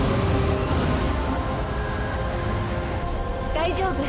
「大丈夫。